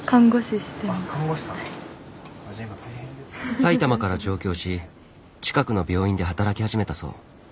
埼玉から上京し近くの病院で働き始めたそう。